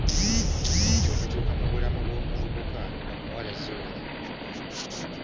Enkyukakyuka mu bulamu bw'omuvubuka omuwala ziwera.